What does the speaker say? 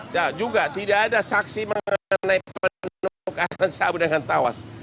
ya juga tidak ada saksi mengenai penemuan uang karena sahabat dengan tawas